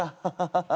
ハハハ。